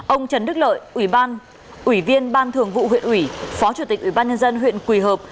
ông trần đức lợi ủy viên ban thường vụ huyện ủy phó chủ tịch ubnd huyện quỳ hợp